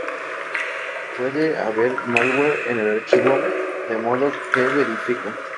Puede haber malware en el archivo, de modo que verifica